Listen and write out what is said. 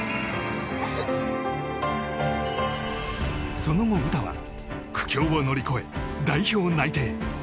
その後、詩は苦境を乗り越え、代表内定。